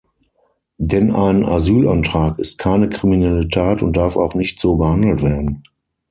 Denn ein Asylantrag ist keine kriminelle Tat und darf auch nicht so behandelt werden.